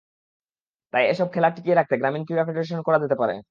তাই এসব খেলা টিকিয়ে রাখতে গ্রামীণ ক্রীড়া ফেডারেশন করা যেতে পারে।